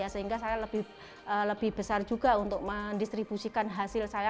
sehingga saya lebih besar juga untuk mendistribusikan hasil saya